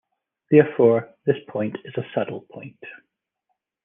Therefore, this point is a saddle point.